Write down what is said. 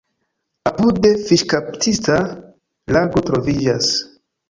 Apude fiŝkaptista lago troviĝas.